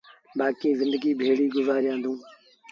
بآڪيٚݩ زندگيٚ ڀيڙيٚ گُزآريآݩدوݩ